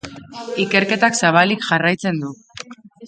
Ikerketak zabalik jarraitzen du.